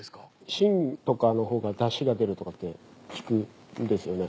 芯とかのほうがダシが出るとかって聞くんですよね。